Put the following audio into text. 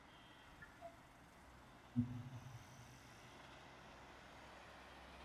The pastry-cook in Paris is very useful.